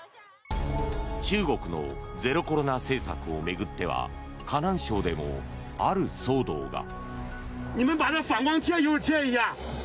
中国のゼロコロナ政策を巡っては河南省でも、ある騒動が。